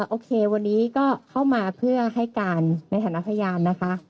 โอเควันนี้ก็เข้ามาเพื่อให้การในฐานะพยานนะคะ